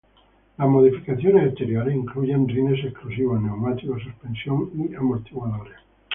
Las modificaciones exteriores incluyen rines exclusivos, neumáticos, suspensión y amortiguadores.